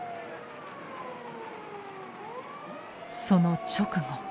その直後。